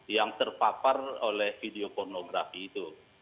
yang terpapar oleh video pornografi itu